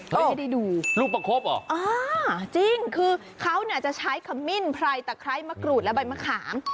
เค้าให้ได้ดูอ๋อจริงคือเค้าเนี่ยจะใช้ขมิ้นไพรตะไคร้มะกรูดและใบมะขาม